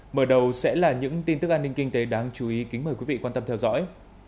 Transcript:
mở đầu sẽ là những tin tức an ninh kinh tế đáng chú ý kính mời quý vị quan tâm theo dõi